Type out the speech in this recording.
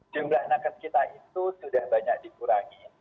jumlah nakes kita itu sudah banyak dikurangi